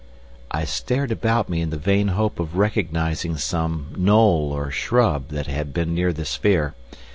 I stared about me in the vain hope of recognising some knoll or shrub that had been near the sphere.